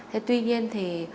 thế tuy nhiên thì